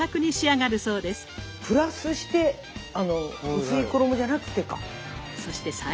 プラスして薄い衣じゃなくてか。